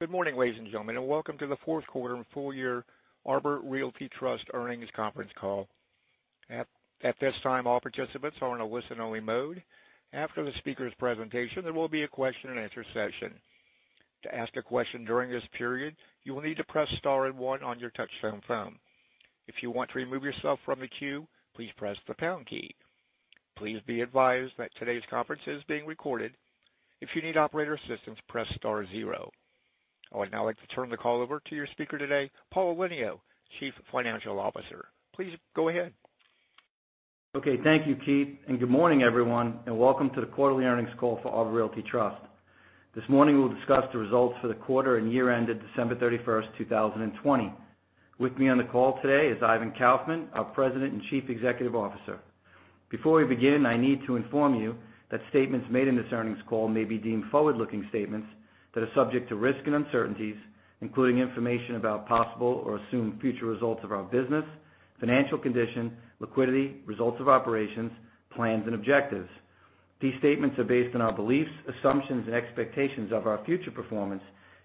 Good morning, ladies and gentlemen, and welcome to the fourth quarter and full year Arbor Realty Trust earnings conference call. At this time, all participants are in a listen-only mode. After the speaker's presentation, there will be a question-and-answer session. To ask a question during this period, you will need to press star and one on your touch-tone phone. If you want to remove yourself from the queue, please press the pound key. Please be advised that today's conference is being recorded. If you need operator assistance, press star zero. I would now like to turn the call over to your speaker today, Paul Elenio, Chief Financial Officer. Please go ahead. Okay. Thank you, Keith, and good morning, everyone, and welcome to the quarterly earnings call for Arbor Realty Trust. This morning, we'll discuss the results for the quarter and year-end of December 31st, 2020. With me on the call today is Ivan Kaufman, our President and Chief Executive Officer. Before we begin, I need to inform you that statements made in this earnings call may be deemed forward-looking statements that are subject to risk and uncertainties, including information about possible or assumed future results of our business, financial condition, liquidity, results of operations, plans, and objectives. These statements are based on our beliefs, assumptions, and expectations of our future performance,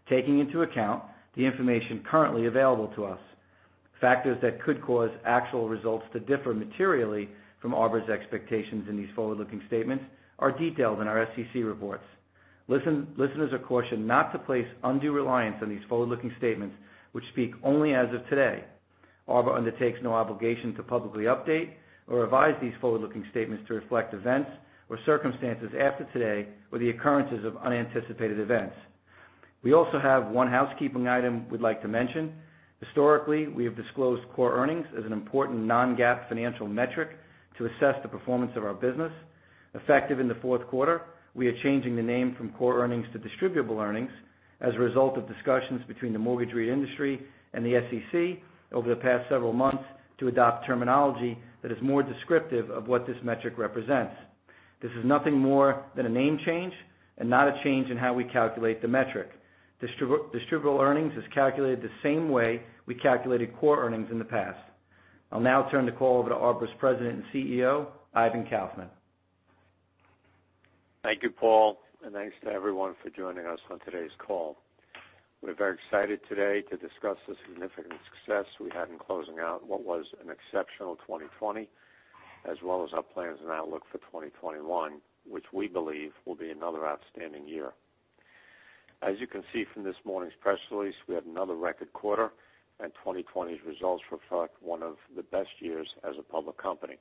taking into account the information currently available to us. Factors that could cause actual results to differ materially from Arbor's expectations in these forward-looking statements are detailed in our SEC reports. Listeners are cautioned not to place undue reliance on these forward-looking statements, which speak only as of today. Arbor undertakes no obligation to publicly update or revise these forward-looking statements to reflect events or circumstances after today or the occurrences of unanticipated events. We also have one housekeeping item we'd like to mention. Historically, we have disclosed core earnings as an important non-GAAP financial metric to assess the performance of our business. Effective in the fourth quarter, we are changing the name from core earnings to distributable earnings as a result of discussions between the mortgage banking industry and the SEC over the past several months to adopt terminology that is more descriptive of what this metric represents. This is nothing more than a name change and not a change in how we calculate the metric. Distributable earnings is calculated the same way we calculated core earnings in the past. I'll now turn the call over to Arbor's President and CEO, Ivan Kaufman. Thank you, Paul, and thanks to everyone for joining us on today's call. We're very excited today to discuss the significant success we had in closing out what was an exceptional 2020, as well as our plans and outlook for 2021, which we believe will be another outstanding year. As you can see from this morning's press release, we have another record quarter, and 2020's results reflect one of the best years as a public company.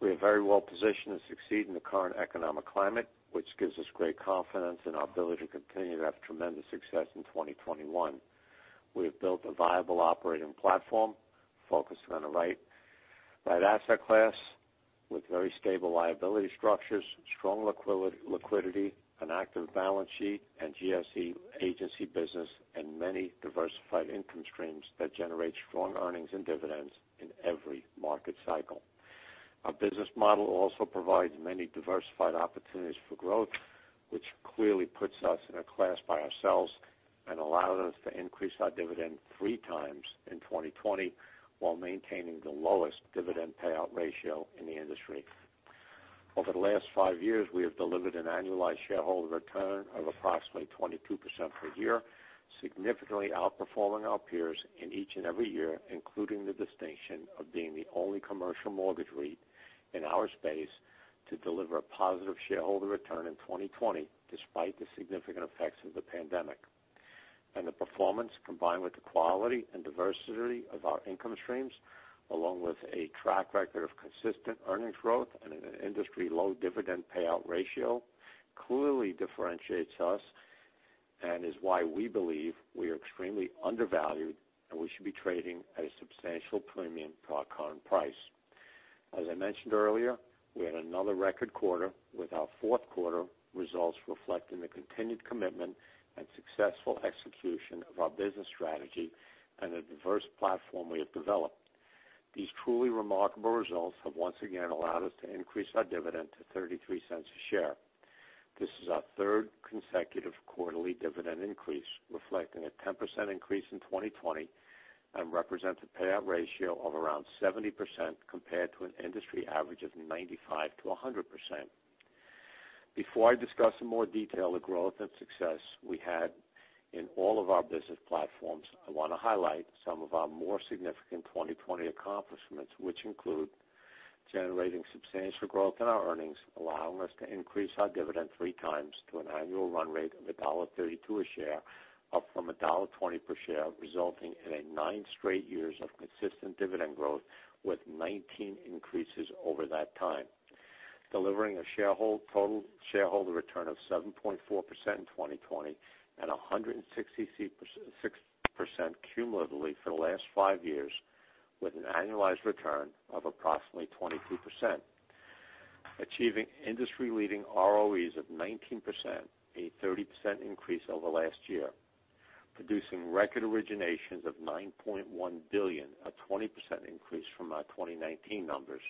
We are very well positioned to succeed in the current economic climate, which gives us great confidence in our ability to continue to have tremendous success in 2021. We have built a viable operating platform focused on the right asset class with very stable liability structures, strong liquidity, an active balance sheet, and GSE agency business, and many diversified income streams that generate strong earnings and dividends in every market cycle. Our business model also provides many diversified opportunities for growth, which clearly puts us in a class by ourselves and allows us to increase our dividend three times in 2020 while maintaining the lowest dividend payout ratio in the industry. Over the last five years, we have delivered an annualized shareholder return of approximately 22% per year, significantly outperforming our peers in each and every year, including the distinction of being the only commercial mortgage REIT in our space to deliver a positive shareholder return in 2020 despite the significant effects of the pandemic. And the performance, combined with the quality and diversity of our income streams, along with a track record of consistent earnings growth and an industry-low dividend payout ratio, clearly differentiates us and is why we believe we are extremely undervalued and we should be trading at a substantial premium to our current price. As I mentioned earlier, we had another record quarter with our fourth quarter results reflecting the continued commitment and successful execution of our business strategy and the diverse platform we have developed. These truly remarkable results have once again allowed us to increase our dividend to $0.33 a share. This is our third consecutive quarterly dividend increase, reflecting a 10% increase in 2020 and represents a payout ratio of around 70% compared to an industry average of 95%-100%. Before I discuss in more detail the growth and success we had in all of our business platforms, I want to highlight some of our more significant 2020 accomplishments, which include generating substantial growth in our earnings, allowing us to increase our dividend three times to an annual run rate of $1.32 a share, up from $1.20 per share, resulting in nine straight years of consistent dividend growth with 19 increases over that time, delivering a total shareholder return of 7.4% in 2020 and 166% cumulatively for the last five years, with an annualized return of approximately 22%, achieving industry-leading ROEs of 19%, a 30% increase over the last year, producing record originations of $9.1 billion, a 20% increase from our 2019 numbers,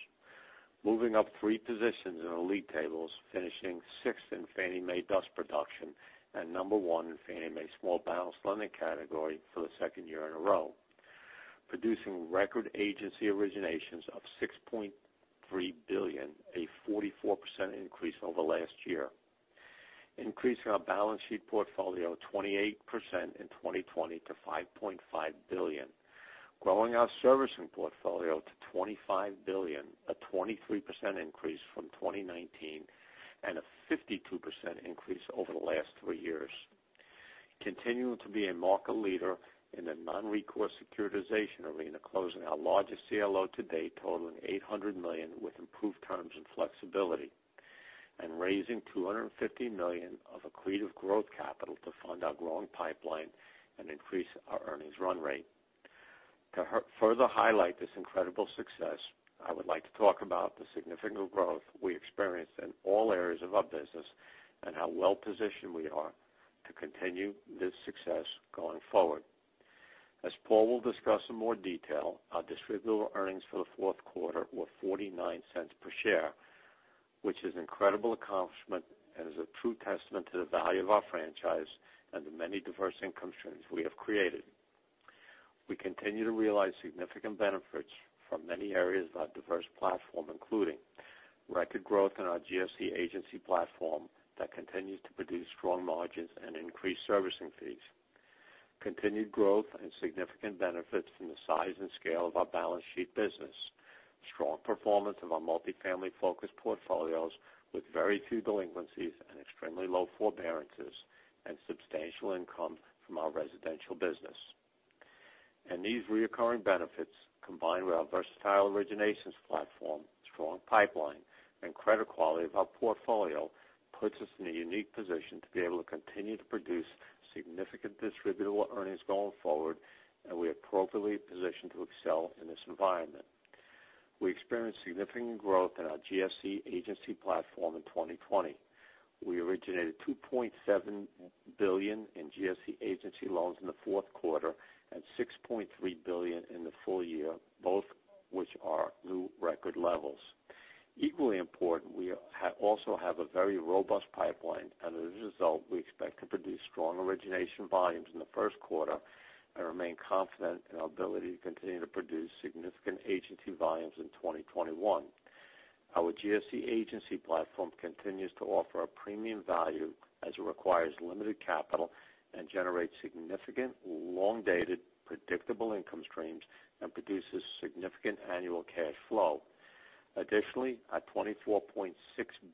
moving up three positions in the league tables, finishing sixth in Fannie Mae DUS production and number one in Fannie Mae Small Balance Lending category for the second year in a row, producing record agency originations of $6.3 billion, a 44% increase over the last year, increasing our balance sheet portfolio of 28% in 2020 to $5.5 billion, growing our servicing portfolio to $25 billion, a 23% increase from 2019, and a 52% increase over the last three years, continuing to be a market leader in the non-recourse securitization arena, closing our largest CLO to date totaling $800 million with improved terms and flexibility, and raising $250 million of accretive growth capital to fund our growing pipeline and increase our earnings run rate. To further highlight this incredible success, I would like to talk about the significant growth we experienced in all areas of our business and how well positioned we are to continue this success going forward. As Paul will discuss in more detail, our distributable earnings for the fourth quarter were $0.49 per share, which is an incredible accomplishment and is a true testament to the value of our franchise and the many diverse income streams we have created. We continue to realize significant benefits from many areas of our diverse platform, including record growth in our GSE agency platform that continues to produce strong margins and increased servicing fees, continued growth and significant benefits from the size and scale of our balance sheet business, strong performance of our multi-family focus portfolios with very few delinquencies and extremely low forbearances, and substantial income from our residential business. These recurring benefits, combined with our versatile originations platform, strong pipeline, and credit quality of our portfolio, puts us in a unique position to be able to continue to produce significant distributable earnings going forward, and we are appropriately positioned to excel in this environment. We experienced significant growth in our GSE agency platform in 2020. We originated $2.7 billion in GSE agency loans in the fourth quarter and $6.3 billion in the full year, both of which are new record levels. Equally important, we also have a very robust pipeline, and as a result, we expect to produce strong origination volumes in the first quarter and remain confident in our ability to continue to produce significant agency volumes in 2021. Our GSE agency platform continues to offer a premium value as it requires limited capital and generates significant, long-dated, predictable income streams and produces significant annual cash flow. Additionally, our $24.6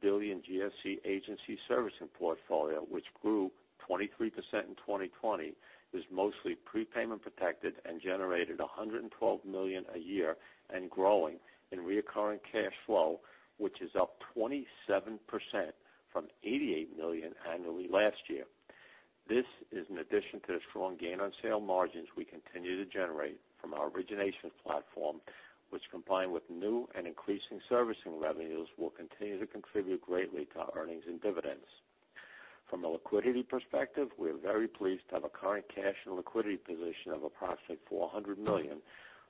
billion GSE agency servicing portfolio, which grew 23% in 2020, is mostly prepayment protected and generated $112 million a year and growing in recurring cash flow, which is up 27% from $88 million annually last year. This is in addition to the strong gain on sale margins we continue to generate from our origination platform, which, combined with new and increasing servicing revenues, will continue to contribute greatly to our earnings and dividends. From a liquidity perspective, we are very pleased to have a current cash and liquidity position of approximately $400 million,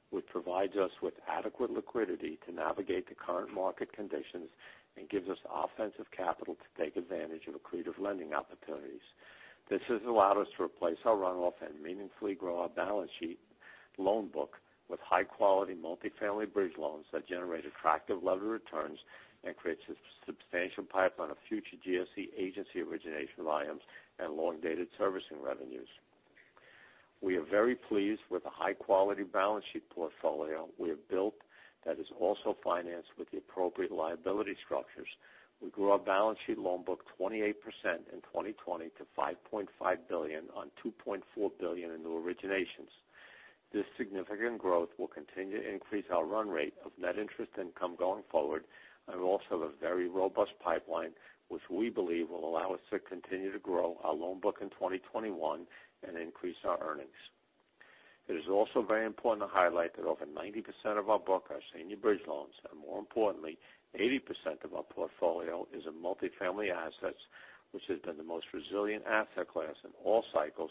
which provides us with adequate liquidity to navigate the current market conditions and gives us offensive capital to take advantage of accretive lending opportunities. This has allowed us to replace our runoff and meaningfully grow our balance sheet loan book with high-quality multi-family bridge loans that generate attractive levered returns and create a substantial pipeline of future GSE agency origination volumes and long-dated servicing revenues. We are very pleased with the high-quality balance sheet portfolio we have built that is also financed with the appropriate liability structures. We grew our balance sheet loan book 28% in 2020 to $5.5 billion on $2.4 billion in new originations. This significant growth will continue to increase our run rate of net interest income going forward. We also have a very robust pipeline, which we believe will allow us to continue to grow our loan book in 2021 and increase our earnings. It is also very important to highlight that over 90% of our book are senior bridge loans, and more importantly, 80% of our portfolio is in multi-family assets, which has been the most resilient asset class in all cycles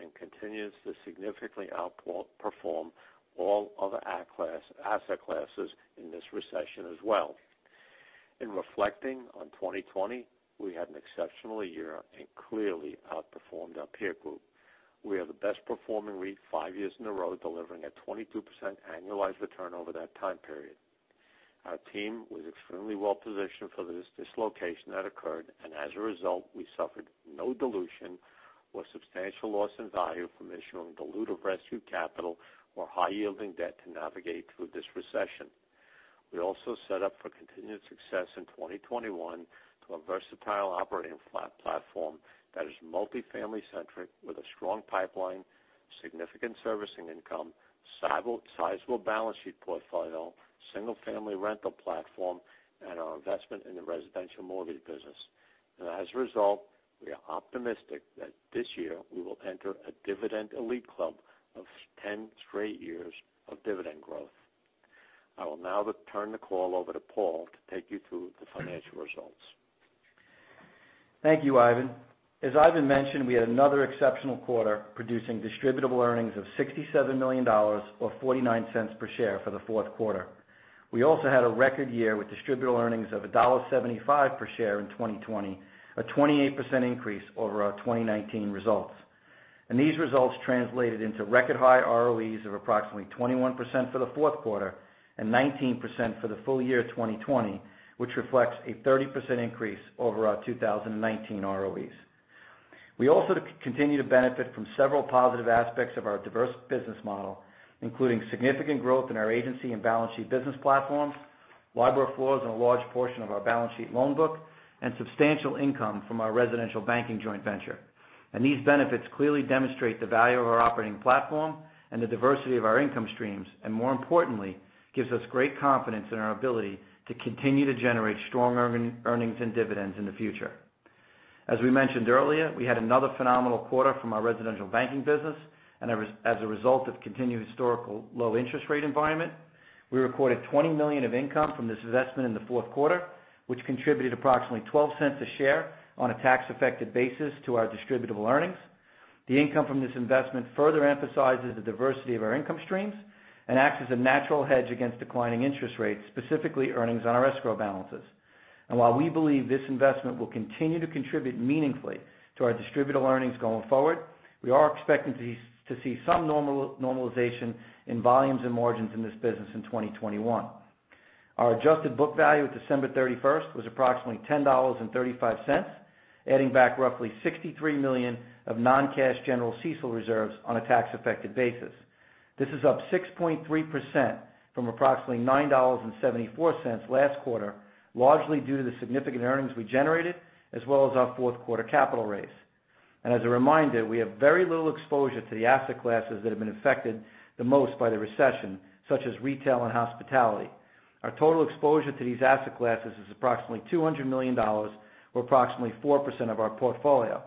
and continues to significantly outperform all other asset classes in this recession as well. In reflecting on 2020, we had an exceptional year and clearly outperformed our peer group. We are the best-performing REIT five years in a row, delivering a 22% annualized return over that time period. Our team was extremely well positioned for this dislocation that occurred, and as a result, we suffered no dilution or substantial loss in value from issuing diluted rescue capital or high-yielding debt to navigate through this recession. We also set up for continued success in 2021 through a versatile operating platform that is multi-family-centric with a strong pipeline, significant servicing income, sizable balance sheet portfolio, single-family rental platform, and our investment in the residential mortgage business. As a result, we are optimistic that this year we will enter a dividend elite club of 10 straight years of dividend growth. I will now turn the call over to Paul to take you through the financial results. Thank you, Ivan. As Ivan mentioned, we had another exceptional quarter, producing distributable earnings of $67 million or $0.49 per share for the fourth quarter. We also had a record year with distributable earnings of $1.75 per share in 2020, a 28% increase over our 2019 results. And these results translated into record-high ROEs of approximately 21% for the fourth quarter and 19% for the full year of 2020, which reflects a 30% increase over our 2019 ROEs. We also continue to benefit from several positive aspects of our diverse business model, including significant growth in our agency and balance sheet business platforms, LIBOR floors on a large portion of our balance sheet loan book, and substantial income from our residential banking joint venture. These benefits clearly demonstrate the value of our operating platform and the diversity of our income streams, and more importantly, gives us great confidence in our ability to continue to generate strong earnings and dividends in the future. As we mentioned earlier, we had another phenomenal quarter from our residential banking business, and as a result of the continued historical low interest rate environment, we recorded $20 million of income from this investment in the fourth quarter, which contributed approximately $0.12 per share on a tax-affected basis to our Distributable Earnings. The income from this investment further emphasizes the diversity of our income streams and acts as a natural hedge against declining interest rates, specifically earnings on our escrow balances. And while we believe this investment will continue to contribute meaningfully to our distributable earnings going forward, we are expecting to see some normalization in volumes and margins in this business in 2021. Our adjusted book value at December 31st was approximately $10.35, adding back roughly $63 million of non-cash general CECL reserves on a tax-affected basis. This is up 6.3% from approximately $9.74 last quarter, largely due to the significant earnings we generated, as well as our fourth quarter capital raise. And as a reminder, we have very little exposure to the asset classes that have been affected the most by the recession, such as retail and hospitality. Our total exposure to these asset classes is approximately $200 million, or approximately 4% of our portfolio.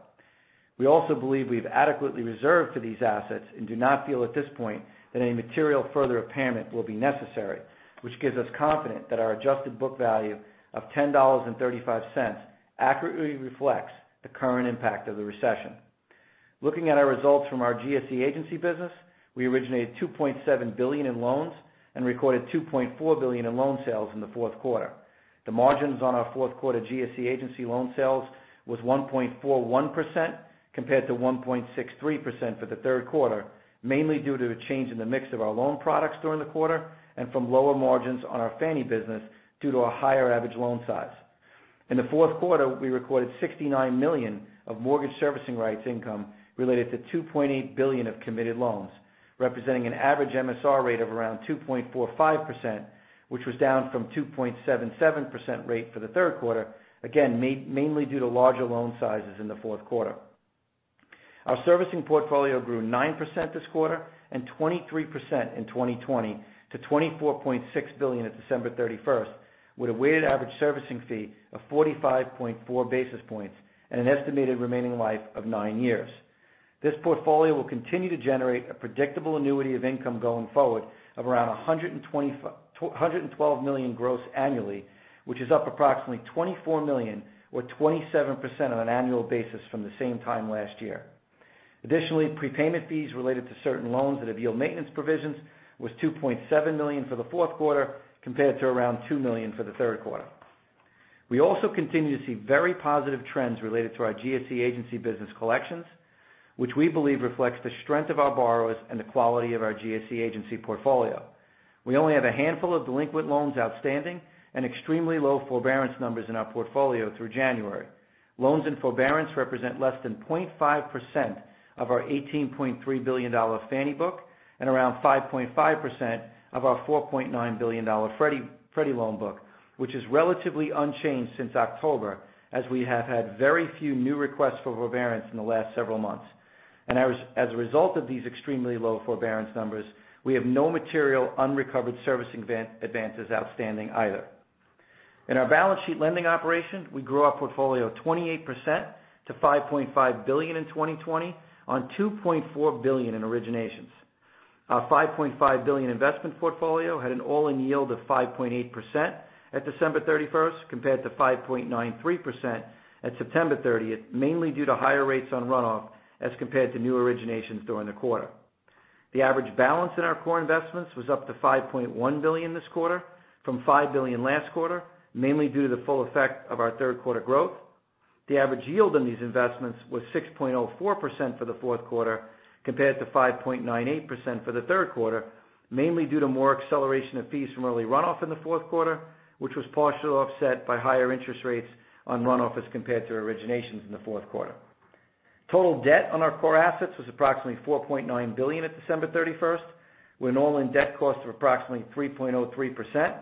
We also believe we have adequately reserved for these assets and do not feel at this point that any material further impairment will be necessary, which gives us confidence that our adjusted book value of $10.35 accurately reflects the current impact of the recession. Looking at our results from our GSE agency business, we originated $2.7 billion in loans and recorded $2.4 billion in loan sales in the fourth quarter. The margins on our fourth quarter GSE agency loan sales was 1.41% compared to 1.63% for the third quarter, mainly due to a change in the mix of our loan products during the quarter and from lower margins on our Fannie business due to a higher average loan size. In the fourth quarter, we recorded $69 million of mortgage servicing rights income related to $2.8 billion of committed loans, representing an average MSR rate of around 2.45%, which was down from 2.77% rate for the third quarter, again, mainly due to larger loan sizes in the fourth quarter. Our servicing portfolio grew 9% this quarter and 23% in 2020 to $24.6 billion at December 31st, with a weighted average servicing fee of 45.4 basis points and an estimated remaining life of nine years. This portfolio will continue to generate a predictable annuity of income going forward of around $112 million gross annually, which is up approximately $24 million, or 27% on an annual basis from the same time last year. Additionally, prepayment fees related to certain loans that have yield maintenance provisions was $2.7 million for the fourth quarter compared to around $2 million for the third quarter. We also continue to see very positive trends related to our GSE agency business collections, which we believe reflects the strength of our borrowers and the quality of our GSE agency portfolio. We only have a handful of delinquent loans outstanding and extremely low forbearance numbers in our portfolio through January. Loans in forbearance represent less than 0.5% of our $18.3 billion Fannie book and around 5.5% of our $4.9 billion Freddie loan book, which is relatively unchanged since October, as we have had very few new requests for forbearance in the last several months, and as a result of these extremely low forbearance numbers, we have no material unrecovered servicing advances outstanding either. In our balance sheet lending operation, we grew our portfolio 28% to $5.5 billion in 2020 on $2.4 billion in originations. Our $5.5 billion investment portfolio had an all-in yield of 5.8% at December 31st compared to 5.93% at September 30th, mainly due to higher rates on runoff as compared to new originations during the quarter. The average balance in our core investments was up to $5.1 billion this quarter from $5 billion last quarter, mainly due to the full effect of our third quarter growth. The average yield on these investments was 6.04% for the fourth quarter compared to 5.98% for the third quarter, mainly due to more acceleration of fees from early runoff in the fourth quarter, which was partially offset by higher interest rates on runoff as compared to originations in the fourth quarter. Total debt on our core assets was approximately $4.9 billion at December 31st, with an all-in debt cost of approximately 3.03%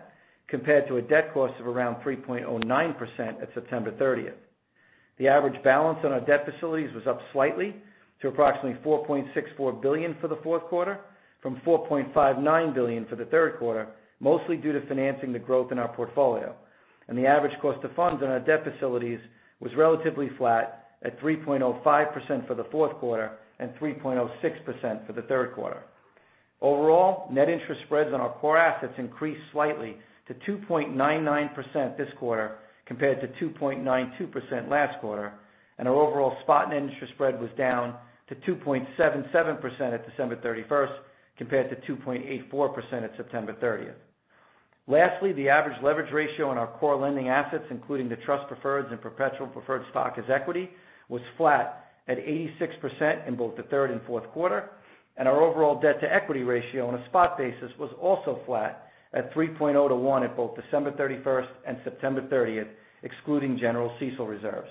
compared to a debt cost of around 3.09% at September 30th. The average balance on our debt facilities was up slightly to approximately $4.64 billion for the fourth quarter from $4.59 billion for the third quarter, mostly due to financing the growth in our portfolio. And the average cost of funds on our debt facilities was relatively flat at 3.05% for the fourth quarter and 3.06% for the third quarter. Overall, net interest spreads on our core assets increased slightly to 2.99% this quarter compared to 2.92% last quarter, and our overall spot net interest spread was down to 2.77% at December 31st compared to 2.84% at September 30th. Lastly, the average leverage ratio on our core lending assets, including the trust preferreds and perpetual preferred stock as equity, was flat at 86% in both the third and fourth quarter, and our overall debt to equity ratio on a spot basis was also flat at 3.0 to 1 at both December 31st and September 30th, excluding general CECL reserves.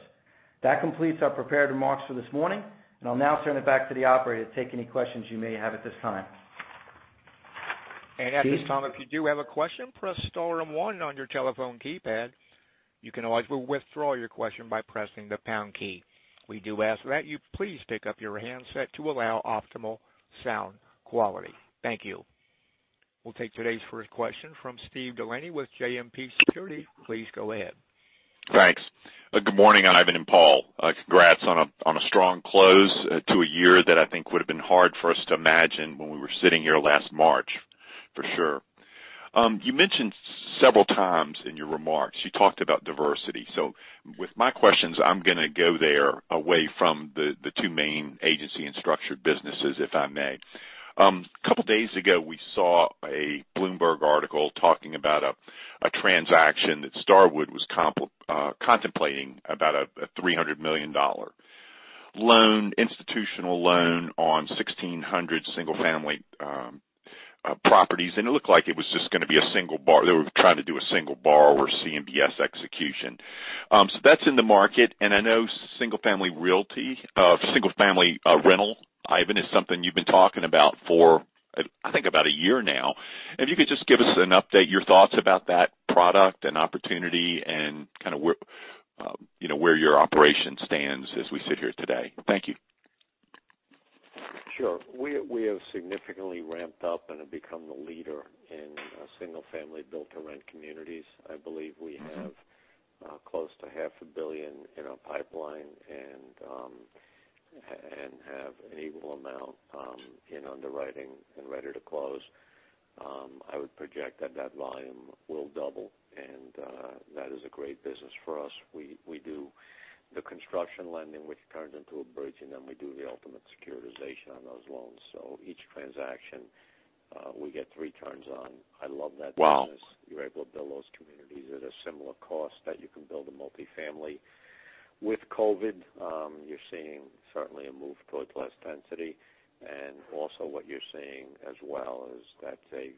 That completes our prepared remarks for this morning, and I'll now turn it back to the operator to take any questions you may have at this time. At this time, if you do have a question, press star and one on your telephone keypad. You can always withdraw your question by pressing the pound key. We do ask that you please pick up your handset to allow optimal sound quality. Thank you. We'll take today's first question from Steve Delaney with JMP Securities. Please go ahead. Thanks. Good morning, Ivan and Paul. Congrats on a strong close to a year that I think would have been hard for us to imagine when we were sitting here last March, for sure. You mentioned several times in your remarks, you talked about diversity. So with my questions, I'm going to go there away from the two main agency and structured businesses, if I may. A couple of days ago, we saw a Bloomberg article talking about a transaction that Starwood was contemplating about a $300 million institutional loan on 1,600 single-family properties, and it looked like it was just going to be a single-borrower. They were trying to do a single-borrower or CMBS execution. So that's in the market, and I know single-family rental, Ivan, is something you've been talking about for, I think, about a year now. If you could just give us an update, your thoughts about that product and opportunity and kind of where your operation stands as we sit here today? Thank you. Sure. We have significantly ramped up and have become the leader in single-family Built-to-Rent communities. I believe we have close to $500 million in our pipeline and have an equal amount in underwriting and ready to close. I would project that that volume will double, and that is a great business for us. We do the construction lending, which turns into a bridge, and then we do the ultimate securitization on those loans. So each transaction, we get three turns on. I love that business. Wow. You're able to build those communities at a similar cost that you can build a multi-family. With COVID, you're seeing certainly a move towards less density, and also what you're seeing as well is that's a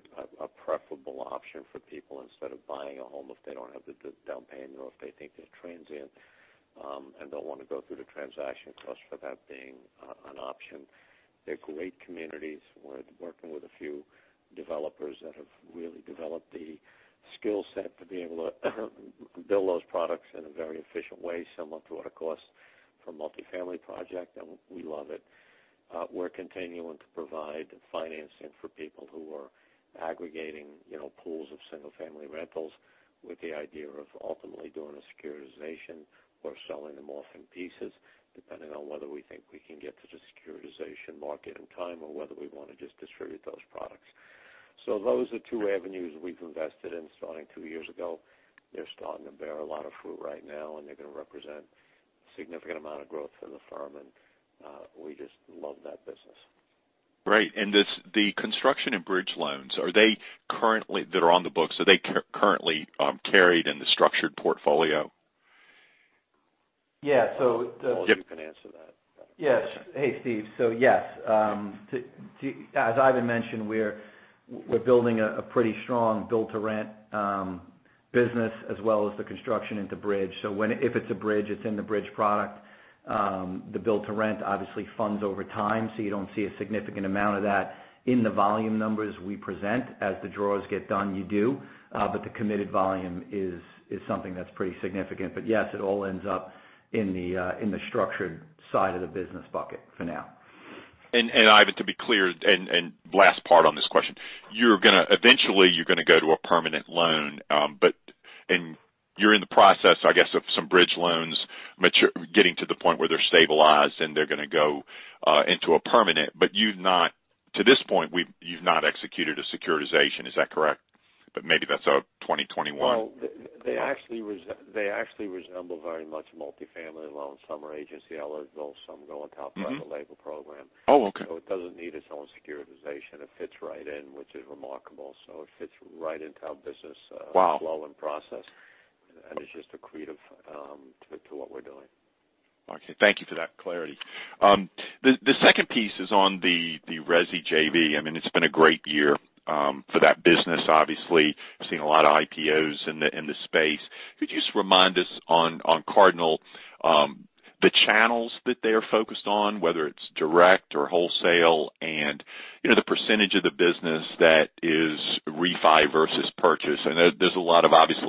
preferable option for people instead of buying a home if they don't have the down payment or if they think they're transient and don't want to go through the transaction cost for that being an option. They're great communities. We're working with a few developers that have really developed the skill set to be able to build those products in a very efficient way, similar to what it costs for a multi-family project, and we love it. We're continuing to provide financing for people who are aggregating pools of single-family rentals with the idea of ultimately doing a securitization or selling them off in pieces, depending on whether we think we can get to the securitization market in time or whether we want to just distribute those products. So those are two avenues we've invested in starting two years ago. They're starting to bear a lot of fruit right now, and they're going to represent a significant amount of growth for the firm, and we just love that business. Great. And the construction and bridge loans that are on the books, are they currently carried in the structured portfolio? Yeah. So the. Well, you can answer that. Yes. Hey, Steve. So yes. As Ivan mentioned, we're building a pretty strong built-to-rent business as well as the construction into bridge. So if it's a bridge, it's in the bridge product. The built-to-rent obviously funds over time, so you don't see a significant amount of that in the volume numbers we present. As the draws get done, you do, but the committed volume is something that's pretty significant. But yes, it all ends up in the structured side of the business bucket for now. And Ivan, to be clear, and last part on this question, you're going to eventually go to a permanent loan, but you're in the process, I guess, of some bridge loans getting to the point where they're stabilized and they're going to go into a permanent. But you've not, to this point, executed a securitization. Is that correct? But maybe that's a 2021. Well, they actually resemble very much multi-family loans under agency. I'll let those some go on top of the SBL program. Oh, okay. So it doesn't need its own securitization. It fits right in, which is remarkable. So it fits right into our business flow and process, and it's just a creative to what we're doing. Okay. Thank you for that clarity. The second piece is on the Resi JV. I mean, it's been a great year for that business, obviously. We've seen a lot of IPOs in the space. Could you just remind us on Cardinal, the channels that they are focused on, whether it's direct or wholesale, and the percentage of the business that is refi versus purchase? And there's a lot of obvious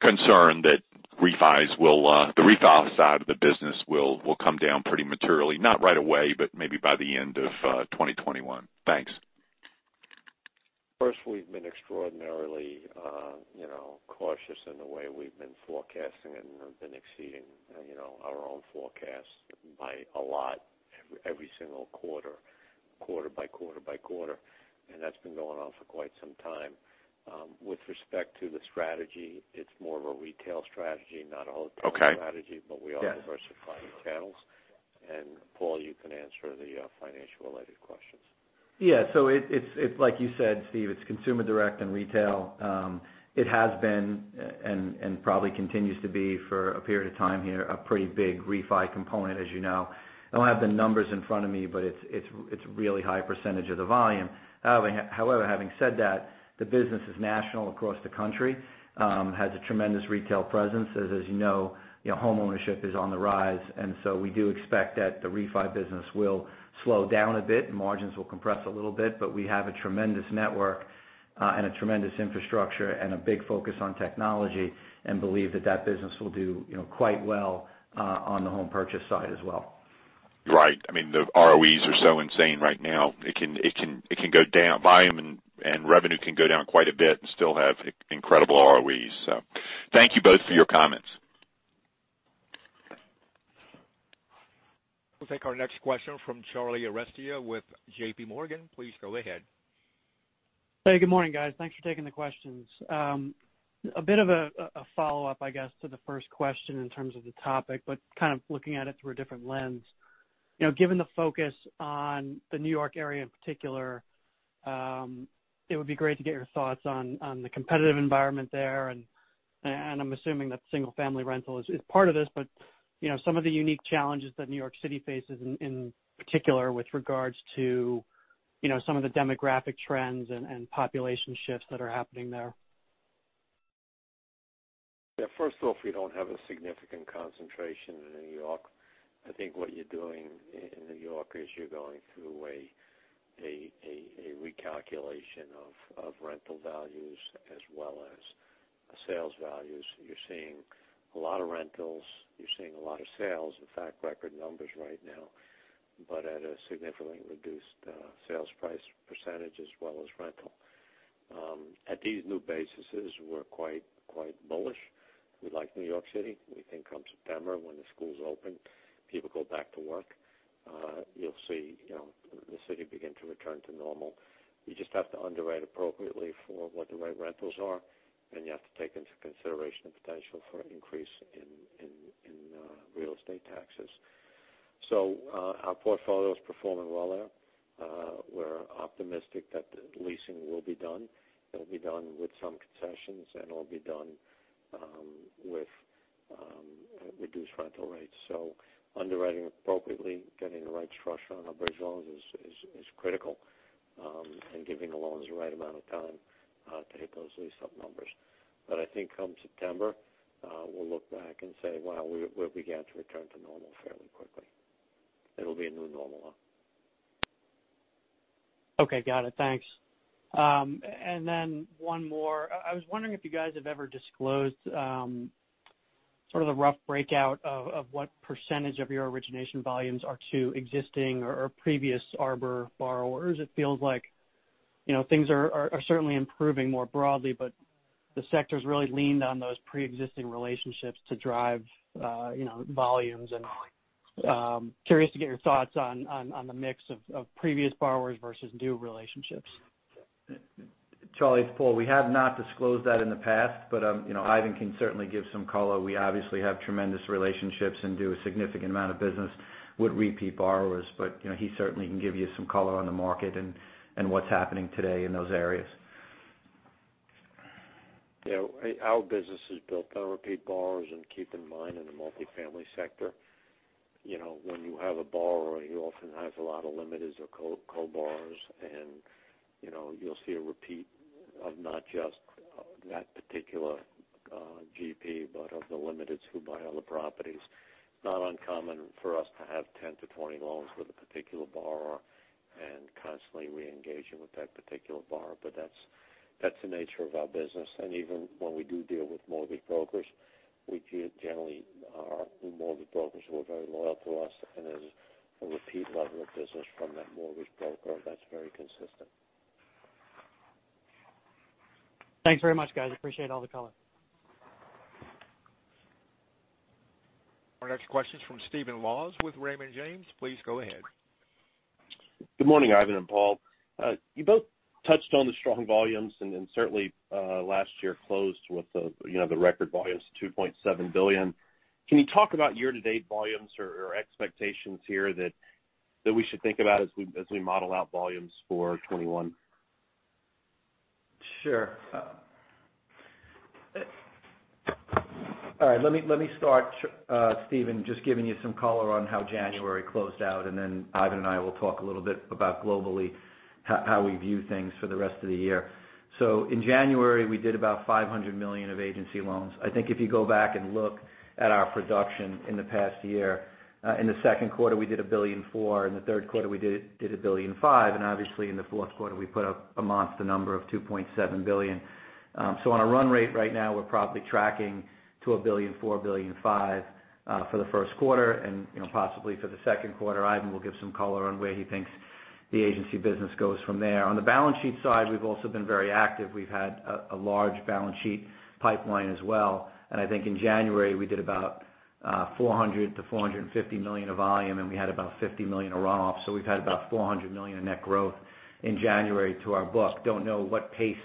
concern that the refi side of the business will come down pretty materially, not right away, but maybe by the end of 2021. Thanks. First, we've been extraordinarily cautious in the way we've been forecasting and have been exceeding our own forecast by a lot every single quarter, quarter by quarter by quarter, and that's been going on for quite some time. With respect to the strategy, it's more of a retail strategy, not a wholesale strategy, but we are diversifying channels. And Paul, you can answer the financial-related questions. Yeah. So it's, like you said, Steve, it's consumer direct and retail. It has been and probably continues to be for a period of time here, a pretty big refi component, as you know. I don't have the numbers in front of me, but it's a really high percentage of the volume. However, having said that, the business is national across the country, has a tremendous retail presence. As you know, homeownership is on the rise, and so we do expect that the refi business will slow down a bit. Margins will compress a little bit, but we have a tremendous network and a tremendous infrastructure and a big focus on technology and believe that that business will do quite well on the home purchase side as well. Right. I mean, the ROEs are so insane right now. It can go down, volume and revenue can go down quite a bit and still have incredible ROEs. So thank you both for your comments. We'll take our next question from Charlie Arestia with J.P. Morgan. Please go ahead. Hey, good morning, guys. Thanks for taking the questions. A bit of a follow-up, I guess, to the first question in terms of the topic, but kind of looking at it through a different lens. Given the focus on the New York area in particular, it would be great to get your thoughts on the competitive environment there. And I'm assuming that single-family rental is part of this, but some of the unique challenges that New York City faces in particular with regards to some of the demographic trends and population shifts that are happening there. Yeah. First off, we don't have a significant concentration in New York. I think what you're doing in New York is you're going through a recalculation of rental values as well as sales values. You're seeing a lot of rentals. You're seeing a lot of sales, in fact, record numbers right now, but at a significantly reduced sales price percentage as well as rental. At these new bases, we're quite bullish. We like New York City. We think come September, when the schools open, people go back to work, you'll see the city begin to return to normal. You just have to underwrite appropriately for what the right rentals are, and you have to take into consideration the potential for increase in real estate taxes. So our portfolio is performing well there. We're optimistic that leasing will be done. It'll be done with some concessions, and it'll be done with reduced rental rates. So underwriting appropriately, getting the right structure on our bridge loans is critical, and giving the loans the right amount of time to hit those lease-up numbers. But I think come September, we'll look back and say, "Wow, we're beginning to return to normal fairly quickly." It'll be a new normal now. Okay. Got it. Thanks. And then one more. I was wondering if you guys have ever disclosed sort of the rough breakout of what percentage of your origination volumes are to existing or previous Arbor borrowers? It feels like things are certainly improving more broadly, but the sector's really leaned on those pre-existing relationships to drive volumes. And curious to get your thoughts on the mix of previous borrowers versus new relationships. Charlie and Paul, we have not disclosed that in the past, but Ivan can certainly give some color. We obviously have tremendous relationships and do a significant amount of business with repeat borrowers, but he certainly can give you some color on the market and what's happening today in those areas. Yeah. Our business is built on repeat borrowers, and keep in mind in the multi-family sector, when you have a borrower, he often has a lot of limited or co-borrowers, and you'll see a repeat of not just that particular GP, but of the limiteds who buy all the properties. It's not uncommon for us to have 10 to 20 loans with a particular borrower and constantly re-engaging with that particular borrower, but that's the nature of our business, and even when we do deal with mortgage brokers, we generally are mortgage brokers who are very loyal to us, and there's a repeat level of business from that mortgage broker that's very consistent. Thanks very much, guys. Appreciate all the color. Our next question is from Steven Laws with Raymond James. Please go ahead. Good morning, Ivan and Paul. You both touched on the strong volumes, and certainly last year closed with the record volumes of $2.7 billion. Can you talk about year-to-date volumes or expectations here that we should think about as we model out volumes for 2021? Sure. All right. Let me start, Steven, just giving you some color on how January closed out, and then Ivan and I will talk a little bit about globally how we view things for the rest of the year. In January, we did about $500 million of agency loans. I think if you go back and look at our production in the past year, in the second quarter, we did $1.4 billion. In the third quarter, we did $1.5 billion. And obviously, in the fourth quarter, we put a month, the number of $2.7 billion. On a run rate right now, we're probably tracking to $1.4 billion-$1.5 billion for the first quarter, and possibly for the second quarter. Ivan will give some color on where he thinks the agency business goes from there. On the balance sheet side, we've also been very active. We've had a large balance sheet pipeline as well. I think in January, we did about $400 million-$450 million of volume, and we had about $50 million of runoff. So we've had about $400 million of net growth in January to our book. Don't know what pace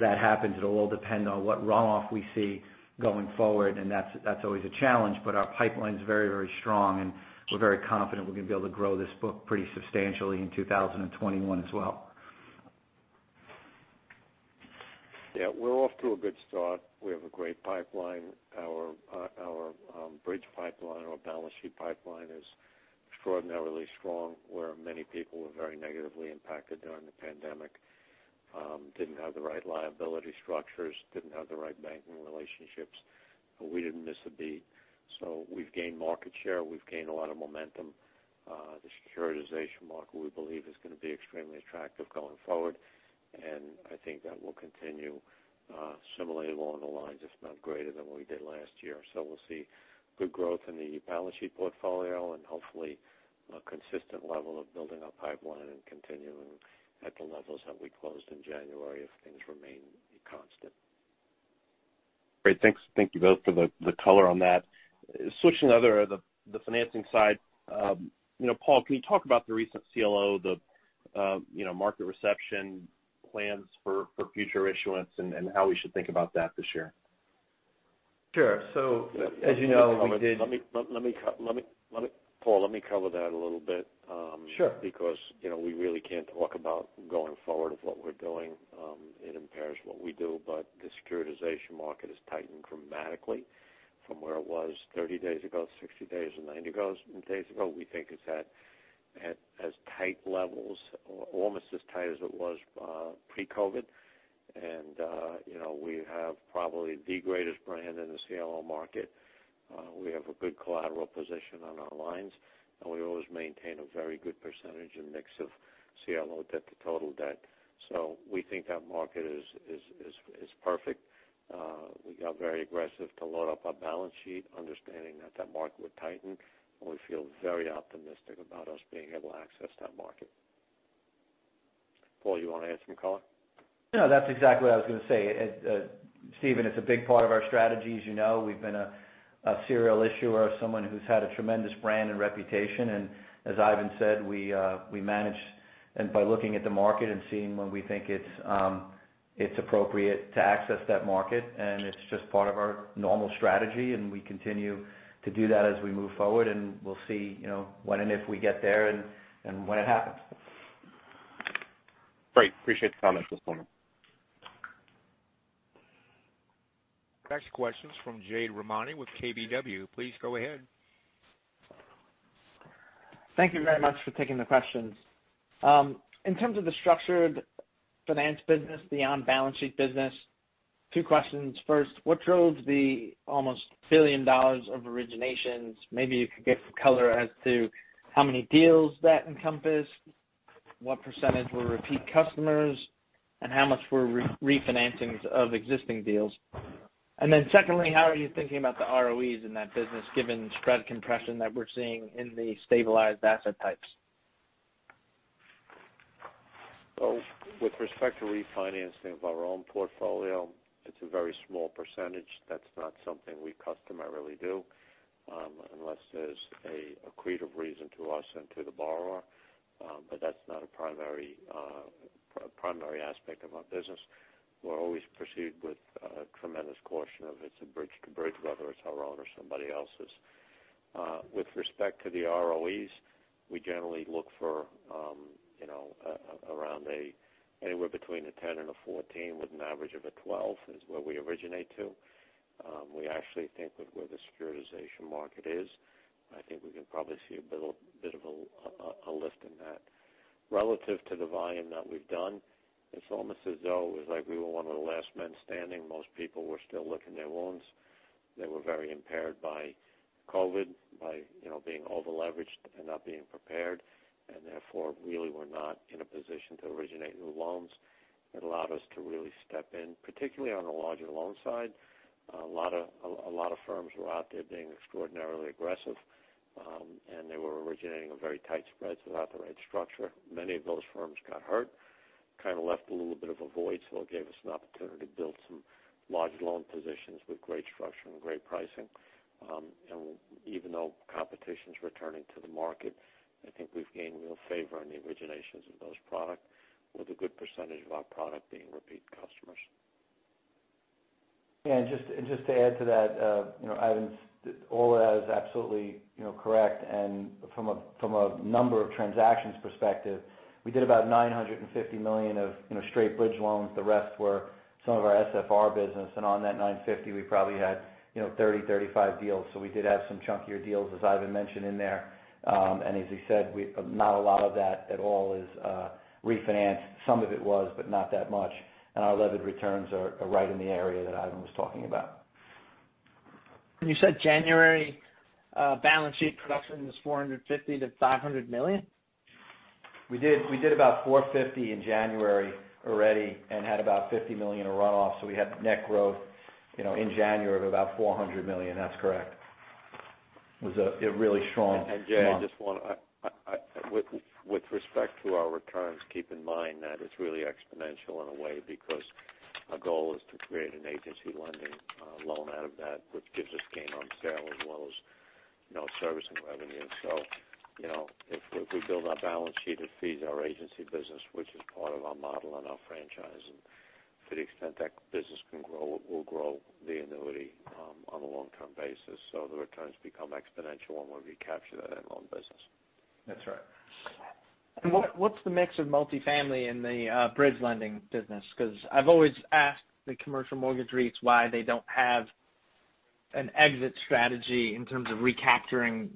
that happens. It'll all depend on what runoff we see going forward, and that's always a challenge, but our pipeline's very, very strong, and we're very confident we're going to be able to grow this book pretty substantially in 2021 as well. Yeah. We're off to a good start. We have a great pipeline. Our bridge pipeline, our balance sheet pipeline is extraordinarily strong where many people were very negatively impacted during the pandemic, didn't have the right liability structures, didn't have the right banking relationships, but we didn't miss a beat. So we've gained market share. We've gained a lot of momentum. The securitization market, we believe, is going to be extremely attractive going forward, and I think that will continue similarly along the lines, if not greater than what we did last year. So we'll see good growth in the balance sheet portfolio and hopefully a consistent level of building our pipeline and continuing at the levels that we closed in January if things remain constant. Great. Thank you both for the color on that. Switching to the other side, Paul, can you talk about the recent CLO, the market reception plans for future issuance, and how we should think about that this year? Sure. So as you know, we did. Paul, let me cover that a little bit because we really can't talk about going forward of what we're doing. It impairs what we do, but the securitization market has tightened dramatically from where it was 30 days ago, 60 days, or 90 days ago. We think it's at as tight levels, almost as tight as it was pre-COVID, and we have probably the greatest brand in the CLO market. We have a good collateral position on our lines, and we always maintain a very good percentage of mix of CLO debt to total debt. So we think that market is perfect. We got very aggressive to load up our balance sheet, understanding that that market would tighten, and we feel very optimistic about us being able to access that market. Paul, you want to add some color? Yeah. That's exactly what I was going to say. Steven, it's a big part of our strategy. As you know, we've been a serial issuer, someone who's had a tremendous brand and reputation, and as Ivan said, we manage by looking at the market and seeing when we think it's appropriate to access that market, and it's just part of our normal strategy, and we continue to do that as we move forward, and we'll see when and if we get there and when it happens. Great. Appreciate the comments this morning. Next question is from Jade Rahmani with KBW. Please go ahead. Thank you very much for taking the questions. In terms of the structured finance business, the on-balance sheet business, two questions. First, what drove the almost $1 billion of originations? Maybe you could give some color as to how many deals that encompassed, what percentage were repeat customers, and how much were refinancings of existing deals? And then secondly, how are you thinking about the ROEs in that business given spread compression that we're seeing in the stabilized asset types? With respect to refinancing of our own portfolio, it's a very small percentage. That's not something we customarily do unless there's a creative reason to us and to the borrower, but that's not a primary aspect of our business. We're always perceived with a tremendous caution if it's a bridge-to-bridge, whether it's our own or somebody else's. With respect to the ROEs, we generally look for around anywhere between 10 and 14, with an average of 12 is where we originate to. We actually think with where the securitization market is, I think we can probably see a bit of a lift in that. Relative to the volume that we've done, it's almost as though it was like we were one of the last men standing. Most people were still licking their wounds. They were very impaired by COVID, by being over-leveraged and not being prepared, and therefore really were not in a position to originate new loans. It allowed us to really step in, particularly on the larger loan side. A lot of firms were out there being extraordinarily aggressive, and they were originating very tight spreads without the right structure. Many of those firms got hurt, kind of left a little bit of a void, so it gave us an opportunity to build some large loan positions with great structure and great pricing, and even though competition's returning to the market, I think we've gained real favor on the originations of those products, with a good percentage of our product being repeat customers. Yeah. And just to add to that, Ivan, all that is absolutely correct. And from a number of transactions perspective, we did about $950 million of straight bridge loans. The rest were some of our SFR business. And on that $950 million, we probably had 30-35 deals. So we did have some chunkier deals, as Ivan mentioned in there. And as he said, not a lot of that at all is refinanced. Some of it was, but not that much. And our levered returns are right in the area that Ivan was talking about. You said January balance sheet production was $450 million-$500 million? We did about $450 million in January already and had about $50 million of runoff. So we had net growth in January of about $400 million. That's correct. It was a really strong. And Jay, I just want to, with respect to our returns, keep in mind that it's really exponential in a way because our goal is to create an agency lending loan out of that, which gives us gain on sale as well as servicing revenue. So if we build our balance sheet of fees, our agency business, which is part of our model and our franchise, and to the extent that business can grow, we'll grow the annuity on a long-term basis. So the returns become exponential when we recapture that end loan business. That's right. What's the mix of multi-family and the bridge lending business? Because I've always asked the commercial mortgage REITs why they don't have an exit strategy in terms of recapturing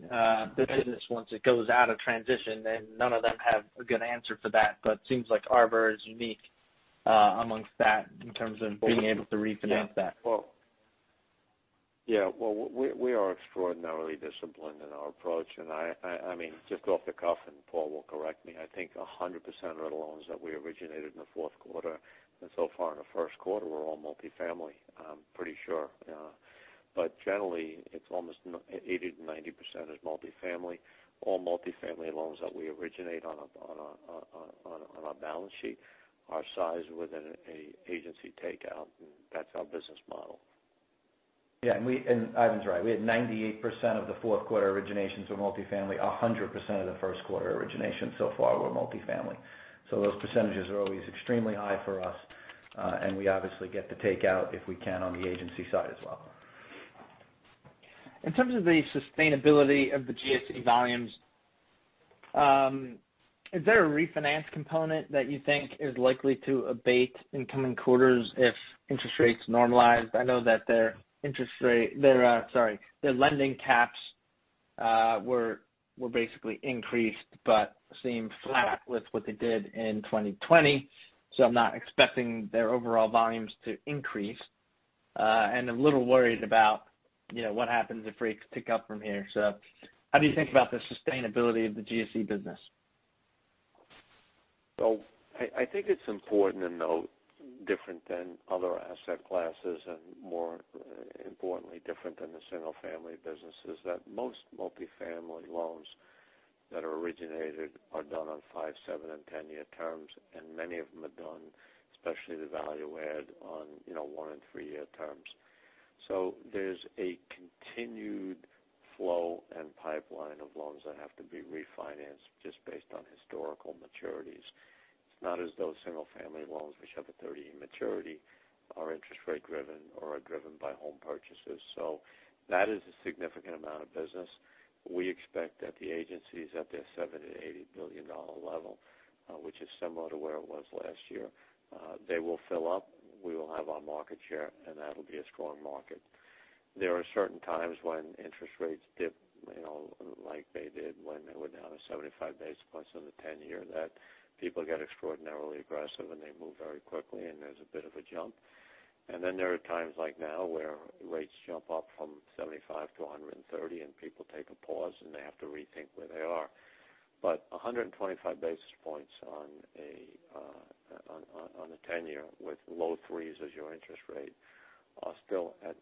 business once it goes out of transition, and none of them have a good answer for that. It seems like Arbor is unique among that in terms of being able to refinance that. Yeah. Well, we are extraordinarily disciplined in our approach. And I mean, just off the cuff, and Paul will correct me, I think 100% of the loans that we originated in the fourth quarter and so far in the first quarter were all multi-family. I'm pretty sure. But generally, it's almost 80%-90% is multi-family. All multi-family loans that we originate on our balance sheet are sized within an agency takeout, and that's our business model. Yeah. And Ivan's right. We had 98% of the fourth quarter originations were multi-family. 100% of the first quarter originations so far were multi-family. So those percentages are always extremely high for us, and we obviously get the takeout if we can on the agency side as well. In terms of the sustainability of the GSE volumes, is there a refinance component that you think is likely to abate in coming quarters if interest rates normalize? I know that their interest rate, sorry, their lending caps were basically increased but seem flat with what they did in 2020, so I'm not expecting their overall volumes to increase. And I'm a little worried about what happens if rates tick up from here. So how do you think about the sustainability of the GSE business? So I think it's important to note, different than other asset classes and more importantly, different than the single-family business, is that most multi-family loans that are originated are done on five-, seven-, and 10-year terms, and many of them are done, especially the value-add, on one- and three-year terms. So there's a continued flow and pipeline of loans that have to be refinanced just based on historical maturities. It's not as though single-family loans, which have a 30-year maturity, are interest rate-driven or are driven by home purchases. So that is a significant amount of business. We expect that the agencies at their $70 billion-$80 billion level, which is similar to where it was last year, they will fill up. We will have our market share, and that'll be a strong market. There are certain times when interest rates dip like they did when they were down to 75 basis points on the 10-year that people get extraordinarily aggressive, and they move very quickly, and there's a bit of a jump. And then there are times like now where rates jump up from 75 to 130, and people take a pause, and they have to rethink where they are. But 125 basis points on a 10-year with low threes as your interest rate are still at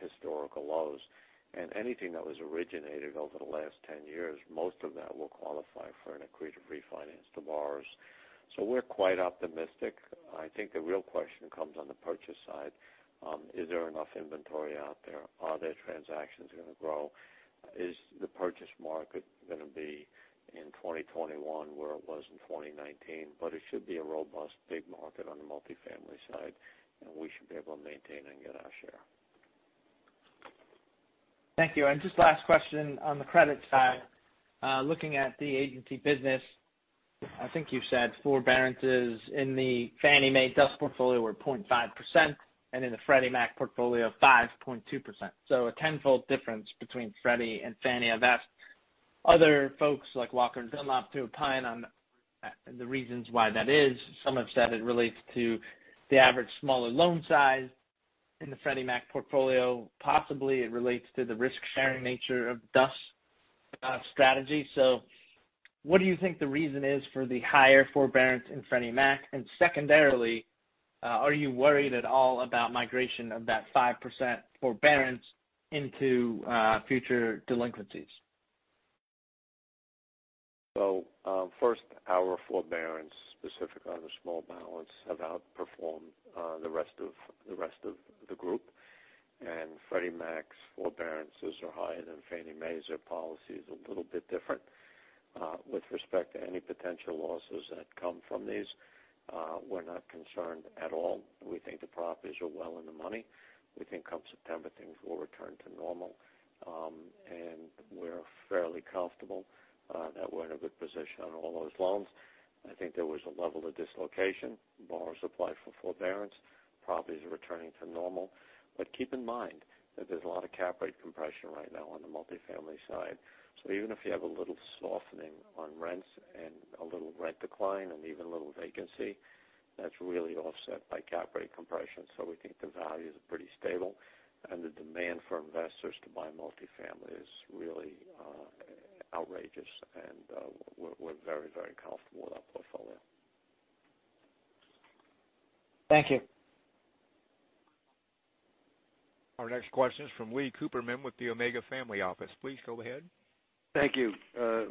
historical lows. And anything that was originated over the last 10 years, most of that will qualify for an accretive refinance to borrowers. So we're quite optimistic. I think the real question comes on the purchase side. Is there enough inventory out there? Are there transactions going to grow? Is the purchase market going to be in 2021 where it was in 2019? But it should be a robust, big market on the multi-family side, and we should be able to maintain and get our share. Thank you. And just last question on the credit side. Looking at the agency business, I think you said forbearances in the Fannie Mae DUS portfolio were 0.5%, and in the Freddie Mac portfolio, 5.2%. So a tenfold difference between Freddie and Fannie as well. Other folks like Walker & Dunlop threw light on the reasons why that is. Some have said it relates to the average smaller loan size in the Freddie Mac portfolio. Possibly, it relates to the risk-sharing nature of DUS strategy. So what do you think the reason is for the higher forbearance in Freddie Mac? And secondarily, are you worried at all about migration of that 5% forbearance into future delinquencies? So first, our forbearance, specifically on the small balance, have outperformed the rest of the group. And Freddie Mac's forbearances are higher than Fannie Mae's, so policy is a little bit different. With respect to any potential losses that come from these, we're not concerned at all. We think the properties are well in the money. We think come September, things will return to normal, and we're fairly comfortable that we're in a good position on all those loans. I think there was a level of dislocation. Borrowers applied for forbearance. Properties are returning to normal. But keep in mind that there's a lot of cap rate compression right now on the multi-family side. So even if you have a little softening on rents and a little rent decline and even a little vacancy, that's really offset by cap rate compression. So we think the values are pretty stable, and the demand for investors to buy multi-family is really outrageous, and we're very, very comfortable with our portfolio. Thank you. Our next question is from Lee Cooperman with the Omega Family Office. Please go ahead. Thank you.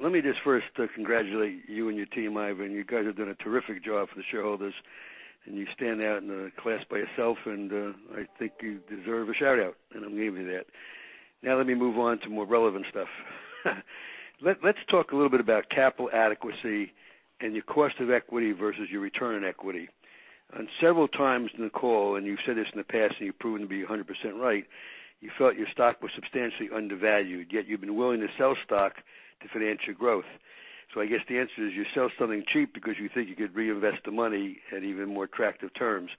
Let me just first congratulate you and your team, Ivan. You guys have done a terrific job for the shareholders, and you stand out in the class by yourself, and I think you deserve a shout-out, and I'm giving you that. Now let me move on to more relevant stuff. Let's talk a little bit about capital adequacy and your cost of equity versus your return on equity, and several times in the call, and you've said this in the past, and you've proven to be 100% right, you felt your stock was substantially undervalued, yet you've been willing to sell stock to finance your growth, so I guess the answer is you sell something cheap because you think you could reinvest the money at even more attractive terms.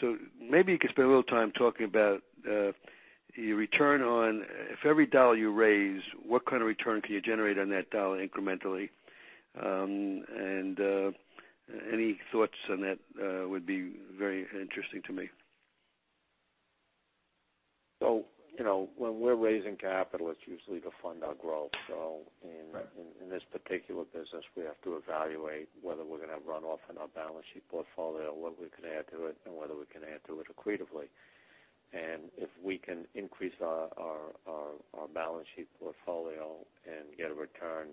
So maybe you could spend a little time talking about your return on, if every dollar you raise, what kind of return can you generate on that dollar incrementally? And any thoughts on that would be very interesting to me. So when we're raising capital, it's usually to fund our growth. So in this particular business, we have to evaluate whether we're going to have runoff in our balance sheet portfolio, what we can add to it, and whether we can add to it accretively. And if we can increase our balance sheet portfolio and get a return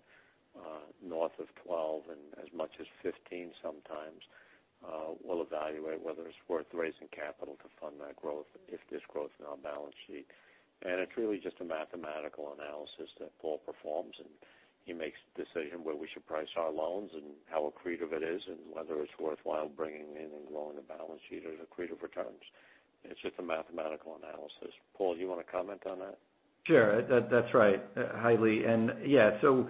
north of 12 and as much as 15 sometimes, we'll evaluate whether it's worth raising capital to fund that growth if there's growth in our balance sheet. And it's really just a mathematical analysis that Paul performs, and he makes a decision where we should price our loans and how accretive it is and whether it's worthwhile bringing in and growing the balance sheet at accretive returns. It's just a mathematical analysis. Paul, do you want to comment on that? Sure. That's right. Hi Lee. And yeah, so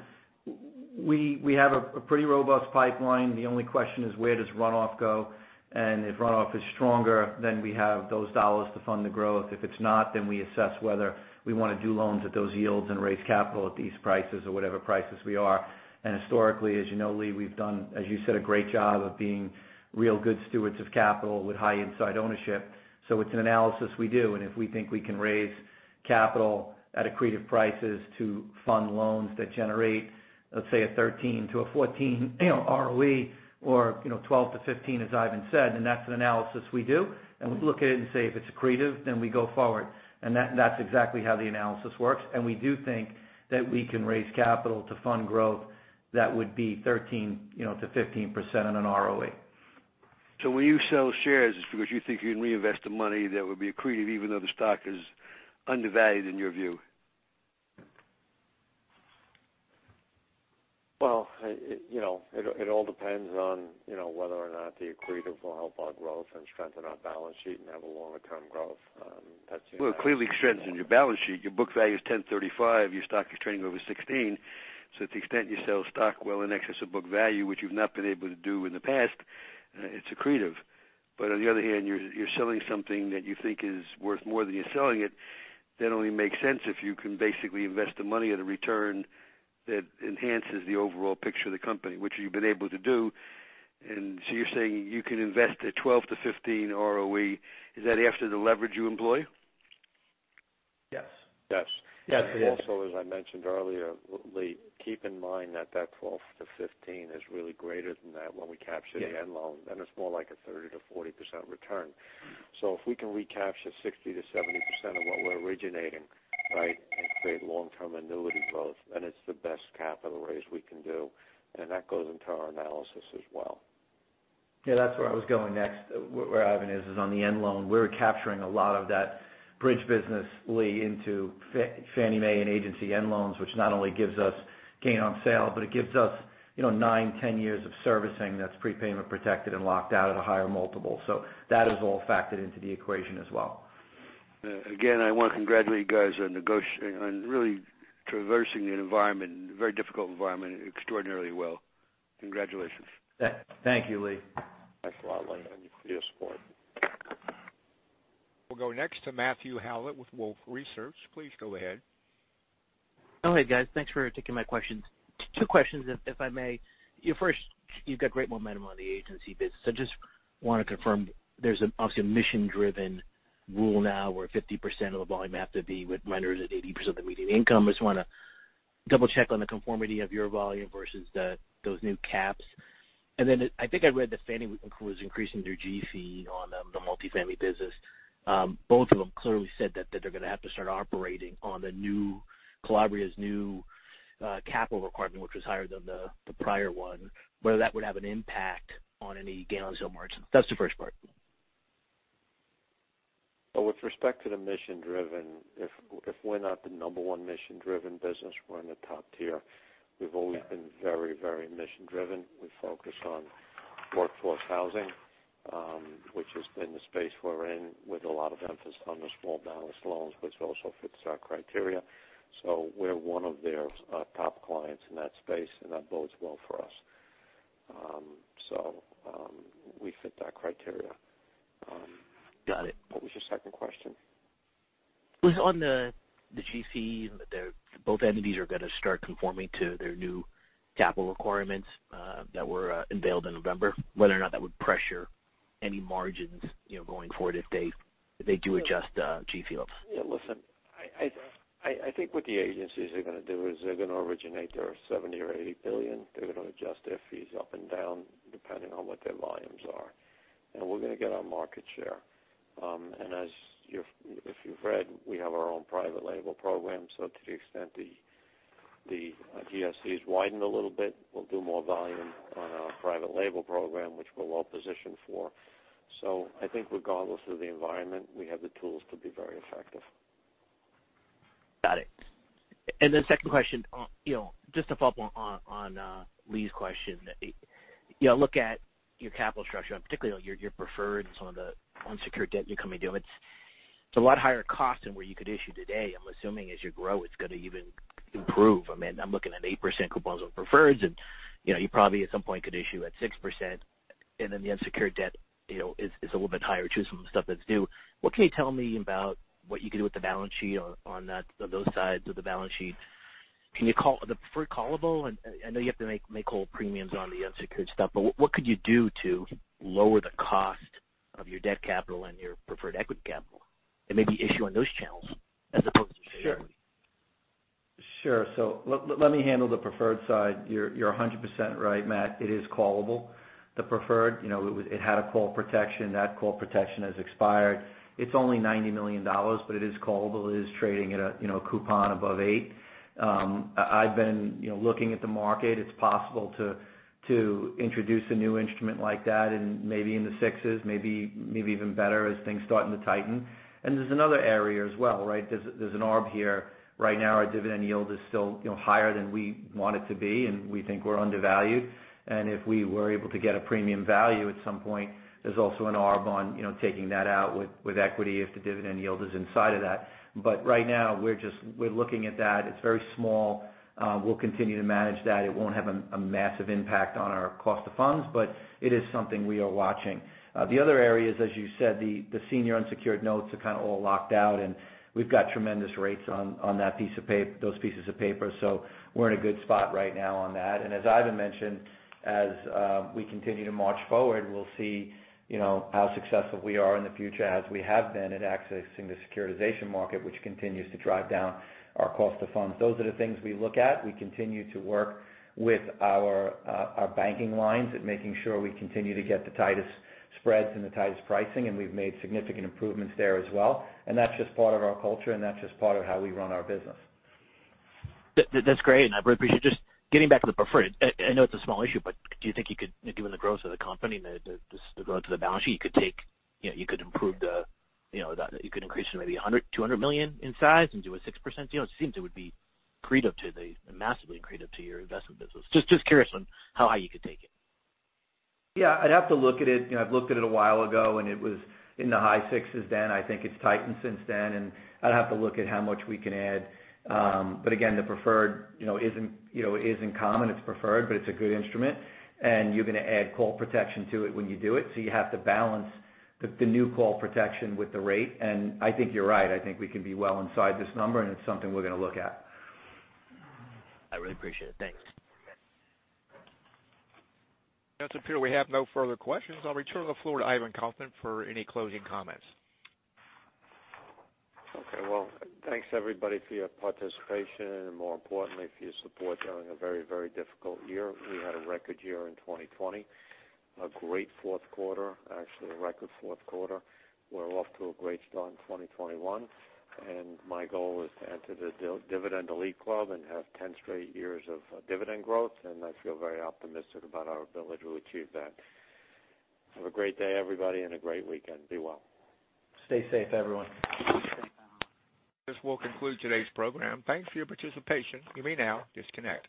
we have a pretty robust pipeline. The only question is where does runoff go? And if runoff is stronger, then we have those dollars to fund the growth. If it's not, then we assess whether we want to do loans at those yields and raise capital at these prices or whatever prices we are. And historically, as you know, Lee, we've done, as you said, a great job of being real good stewards of capital with high inside ownership. So it's an analysis we do, and if we think we can raise capital at accretive prices to fund loans that generate, let's say, a 13 to a 14 ROE or 12 to 15, as Ivan said, then that's an analysis we do. And we look at it and say, if it's accretive, then we go forward. And that's exactly how the analysis works. We do think that we can raise capital to fund growth that would be 13%-15% on an ROE. So when you sell shares, it's because you think you can reinvest the money that would be accretive even though the stock is undervalued in your view? It all depends on whether or not the accretive will help our growth and strengthen our balance sheet and have a longer-term growth. Clearly, it strengthens your balance sheet. Your book value is $10.35. Your stock is trading over $16. So to the extent you sell stock well in excess of book value, which you've not been able to do in the past, it's accretive. But on the other hand, you're selling something that you think is worth more than you're selling it. That only makes sense if you can basically invest the money at a return that enhances the overall picture of the company, which you've been able to do. And so you're saying you can invest a 12%-15% ROE. Is that after the leverage you employ? Yes. Yes. Yeah. Also, as I mentioned earlier, Lee, keep in mind that that 12 to 15 is really greater than that when we capture the end loan. Then it's more like a 30%-40% return. So if we can recapture 60%-70% of what we're originating, right, and create long-term annuity growth, then it's the best capital raise we can do. And that goes into our analysis as well. Yeah. That's where I was going next. Where Ivan is, is on the end loan. We're capturing a lot of that bridge business, Lee, into Fannie Mae and agency end loans, which not only gives us gain on sale, but it gives us nine, 10 years of servicing that's prepayment protected and locked out at a higher multiple. So that is all factored into the equation as well. Again, I want to congratulate you guys on really traversing the environment, very difficult environment, extraordinarily well. Congratulations. Thank you, Lee. Thanks a lot, Lee, and your support. We'll go next to Matthew Howlett with Wolfe Research. Please go ahead. Oh, hey, guys. Thanks for taking my questions. Two questions, if I may. First, you've got great momentum on the agency business. I just want to confirm there's obviously a mission-driven rule now where 50% of the volume has to be with renters at 80% of the median income. I just want to double-check on the conformity of your volume versus those new caps. And then I think I read that Fannie was increasing their G-fee on the multi-family business. Both of them clearly said that they're going to have to start operating on the new Calabria's new capital requirement, which was higher than the prior one, whether that would have an impact on any gain on sale margin? That's the first part. But with respect to the mission-driven, if we're not the number one mission-driven business, we're in the top tier. We've always been very, very mission-driven. We focus on workforce housing, which has been the space we're in with a lot of emphasis on the small balance loans, which also fits our criteria. So we're one of their top clients in that space, and that bodes well for us. So we fit that criteria. Got it. What was your second question? It was on the G-fee that both entities are going to start conforming to their new capital requirements that were unveiled in November, whether or not that would pressure any margins going forward if they do adjust G-fee levels? Yeah. Listen, I think what the agencies are going to do is they're going to originate their $70 billion or $80 billion. They're going to adjust their fees up and down depending on what their volumes are. And we're going to get our market share. And if you've read, we have our own private label program. So to the extent the G-fee has widened a little bit, we'll do more volume on our private label program, which we're well positioned for. So I think regardless of the environment, we have the tools to be very effective. Got it. And then second question, just to follow up on Lee's question, look at your capital structure, particularly your preferred and some of the unsecured debt you're coming to. It's a lot higher cost than where you could issue today. I'm assuming as you grow, it's going to even improve. I mean, I'm looking at 8% coupons on preferreds, and you probably at some point could issue at 6%. And then the unsecured debt is a little bit higher too from the stuff that's new. What can you tell me about what you could do with the balance sheet on those sides of the balance sheet? Can you call the preferred callable? I know you have to make-whole premiums on the unsecured stuff, but what could you do to lower the cost of your debt capital and your preferred equity capital and maybe issue on those channels as opposed to share equity? Sure. So let me handle the preferred side. You're 100% right, Matt. It is callable. The preferred, it had a call protection. That call protection has expired. It's only $90 million, but it is callable. It is trading at a coupon above 8%. I've been looking at the market. It's possible to introduce a new instrument like that in maybe in the 6s, maybe even better as things starting to tighten. And there's another area as well, right? There's an ABR here. Right now, our dividend yield is still higher than we want it to be, and we think we're undervalued. And if we were able to get a premium value at some point, there's also an ABR on taking that out with equity if the dividend yield is inside of that. But right now, we're looking at that. It's very small. We'll continue to manage that. It won't have a massive impact on our cost of funds, but it is something we are watching. The other area is, as you said, the senior unsecured notes are kind of all locked out, and we've got tremendous rates on those pieces of paper. So we're in a good spot right now on that. And as Ivan mentioned, as we continue to march forward, we'll see how successful we are in the future, as we have been at accessing the securitization market, which continues to drive down our cost of funds. Those are the things we look at. We continue to work with our banking lines at making sure we continue to get the tightest spreads and the tightest pricing, and we've made significant improvements there as well. And that's just part of our culture, and that's just part of how we run our business. That's great. And I really appreciate just getting back to the preferred. I know it's a small issue, but do you think you could, given the growth of the company and the growth of the balance sheet, increase it to maybe $100-$200 million in size and do a 6% deal? It seems it would be massively accretive to your investment business. Just curious on how high you could take it. Yeah. I'd have to look at it. I've looked at it a while ago, and it was in the high 6s then. I think it's tightened since then, and I'd have to look at how much we can add, but again, the preferred isn't common. It's preferred, but it's a good instrument, and you're going to add call protection to it when you do it, so you have to balance the new call protection with the rate, and I think you're right. I think we can be well inside this number, and it's something we're going to look at. I really appreciate it. Thanks. It appears we have no further questions. I'll return the floor to Ivan Kaufman for any closing comments. Okay. Well, thanks everybody for your participation and, more importantly, for your support during a very, very difficult year. We had a record year in 2020, a great fourth quarter, actually a record fourth quarter. We're off to a great start in 2021. And my goal is to enter the Dividend Elite Club and have 10 straight years of dividend growth. And I feel very optimistic about our ability to achieve that. Have a great day, everybody, and a great weekend. Be well. Stay safe, everyone. This will conclude today's program. Thanks for your participation. You may now disconnect.